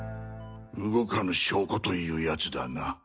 動かぬ証拠というやつだな。